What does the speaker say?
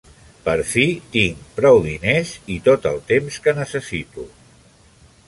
Per fi tinc prou diners i tot el temps que necessito.